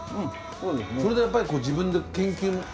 それでやっぱり自分で。